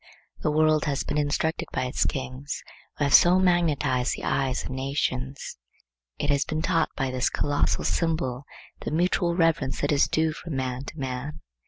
The world has been instructed by its kings, who have so magnetized the eyes of nations. It has been taught by this colossal symbol the mutual reverence that is due from man to man.